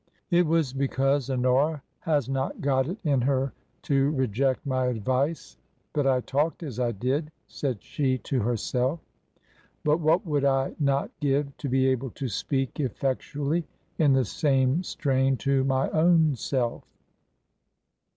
" It was because Honora has not got it in her to reject my advice that I talked as I did," said she to herself; " but what would I not give to be able to speak effect ually in the same strain to my own self!